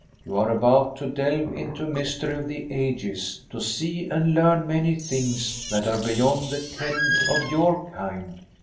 You are about to delve into a mystery of the ages; to see and learn many things that are beyond the ken of your kind.